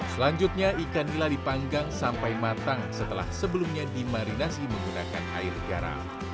selanjutnya ikan nila dipanggang sampai matang setelah sebelumnya dimarinasi menggunakan air garam